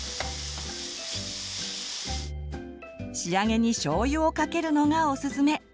仕上げにしょうゆをかけるのがおすすめ。